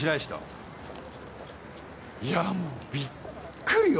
いやもうびっくりよ。